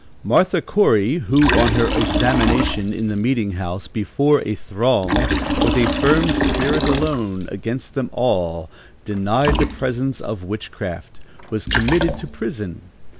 Martha Corey, who, on her examination in the meeting house, before a throng, with a firm spirit, alone, against them all, denied the presence of witchcraft, was committed to prison.